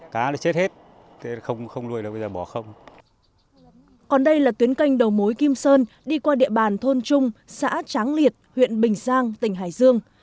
còn đây là tuyến canh đầu mối kim sơn đi qua địa bàn thôn trung xã tráng liệt huyện bình giang tỉnh hải dương